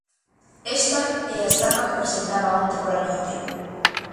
Esta é a estampa que presentaba onte pola noite.